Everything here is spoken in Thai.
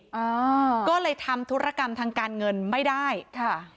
อ่าก็เลยทำธุรกรรมทางการเงินไม่ได้ค่ะ